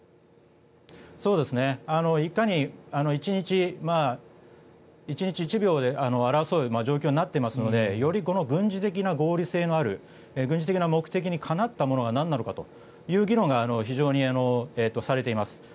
いかに１日１秒を争う状況になっていますのでよりこの軍事的な合理性のある軍事的な目的にかなったものがなんなのかという議論が非常にされています。